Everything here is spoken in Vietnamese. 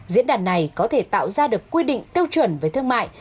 diễn đàn này có thể tạo ra được quy định tiêu chuẩn về thương mại